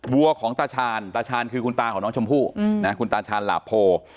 วัวของตาชาญตาชาญคือคุณตาของน้องชมพู่คุณตาชาญหลาโพ